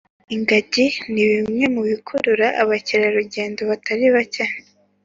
Ingagi nibimwe bikurura abakerarujyendo batari bake